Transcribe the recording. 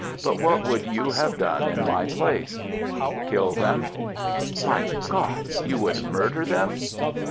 But what would you have done in my place?" "Kill them." "Mein Gott! You would murder them?"